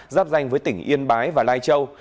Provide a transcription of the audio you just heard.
giáp danh với tỉnh yên bái và lai châu